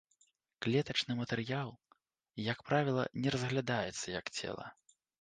Клетачны матэрыял, як правіла, не разглядаецца як цела.